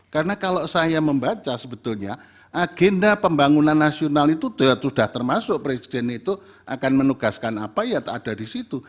karena kalau saya membaca sebetulnya agenda pembangunan nasional itu sudah termasuk presiden itu akan menugaskan apa ya tak ada di situ